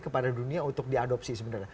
kepada dunia untuk diadopsi sebenarnya